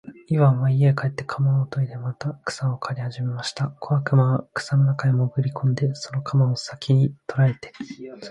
イワンは家へ帰って鎌をといでまた草を刈りはじめました。小悪魔は草の中へもぐり込んで、その鎌の先きを捉えて、